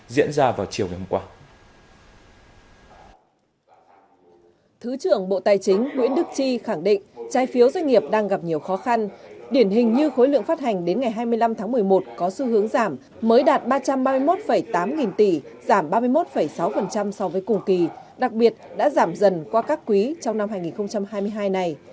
giảm ba mươi một sáu so với cùng kỳ đặc biệt đã giảm dần qua các quý trong năm hai nghìn hai mươi hai này